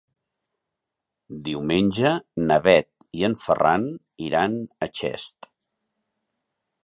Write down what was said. Diumenge na Bet i en Ferran iran a Xest.